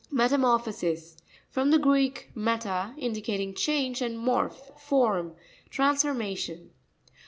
Meramo'rPHosis.—From the Greek, meta, indicating change, and mor phe, form. Transformation.